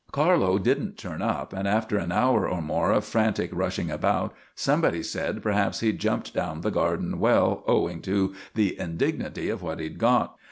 Carlo didn't turn up, and after an hour or more of frantic rushing about, somebody said perhaps he'd jumped down the garden well owing to the indignity of what he'd got.